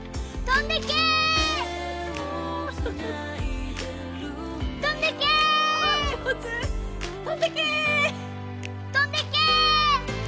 飛んでけ！！